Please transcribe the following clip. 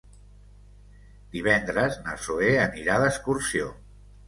Divendres na Zoè anirà d'excursió.